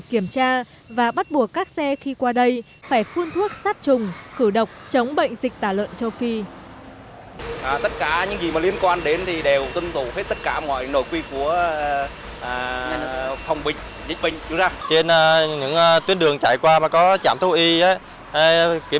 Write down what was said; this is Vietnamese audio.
kiểm tra và bắt buộc các xe khi qua đây phải phun thuốc sát trùng khử độc chống bệnh dịch tả lợn châu phi